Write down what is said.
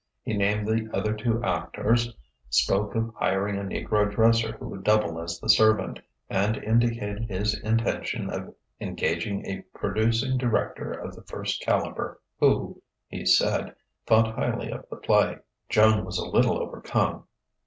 He named the other two actors, spoke of hiring a negro dresser who would double as the servant, and indicated his intention of engaging a producing director of the first calibre who, he said, thought highly of the play. Joan was a little overcome.